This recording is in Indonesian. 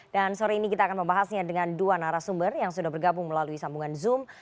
dan sore ini kita akan membahasnya dengan dua narasumber yang sudah bergabung melalui sambungan zoom